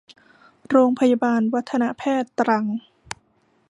โรงพยาบาลวัฒนแพทย์ ตรัง